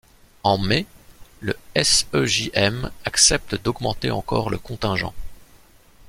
En mai, le Sejm accepte d'augmenter encore le contingent.